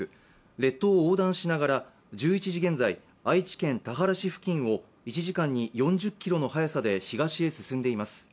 列島を横断しながら、１１時現在、愛知県田原市付近を１時間に４０キロの速さで東へ進んでいます。